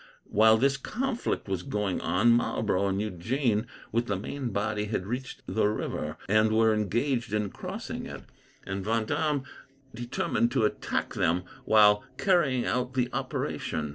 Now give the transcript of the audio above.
While this conflict was going on, Marlborough and Eugene, with the main body, had reached the river, and were engaged in crossing it; and Vendome determined to attack them while carrying out the operation.